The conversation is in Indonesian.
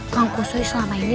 kang kusoy selama ini